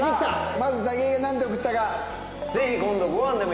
まず武井がなんて送ったか。